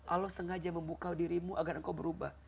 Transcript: allah sengaja membuka dirimu agar engkau berubah